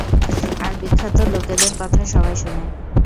আর বিখ্যাত লোকেদের কথা সবাই শুনে।